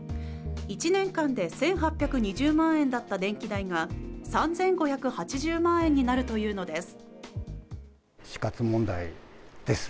１年間で１８２０万円だった電気代が３５８０万円になるというのです。